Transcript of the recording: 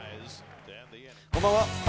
こんばんは。